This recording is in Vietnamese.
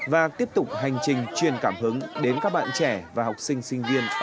và tiếp tục hành trình truyền cảm hứng đến các bạn trẻ và học sinh sinh viên ở địa phương